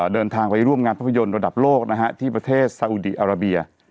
เดินทางไปร่วมงานภาพยนตร์ระดับโลกที่ประเทศซาอุดีอาราเบีย